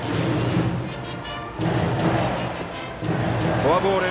フォアボール。